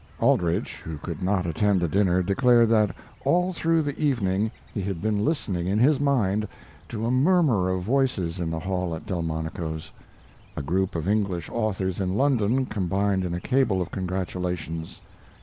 Aldrich, who could not attend the dinner, declared that all through the evening he had been listening in his mind to a murmur of voices in the hall at Delmonico's. A group of English authors in London combined in a cable of congratulations.